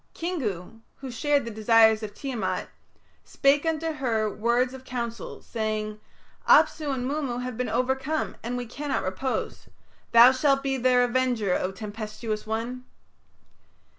Kingu, who shared the desires of Tiamat, spake unto her words of counsel, saying, "Apsu and Mummu have been overcome and we cannot repose. Thou shalt be their Avenger, O Tempestuous One."